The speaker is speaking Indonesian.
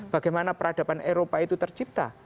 bagaimana peradaban eropa itu tercipta